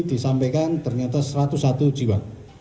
disampaikan ternyata satu ratus satu jiwa